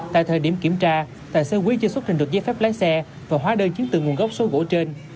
tại thời điểm kiểm tra tài xế quý chưa xuất trình được giấy phép lái xe và hóa đơn chứng từ nguồn gốc số gỗ trên